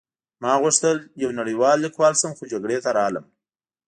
ما غوښتل یو نړۍوال لیکوال شم خو جګړې ته راغلم